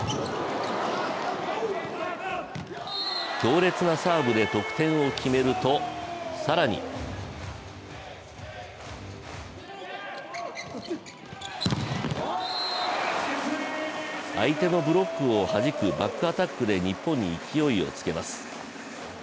強烈なサーブで得点を決めると更に相手のブロックをはじくバックアタックで日本に勢いをつけます。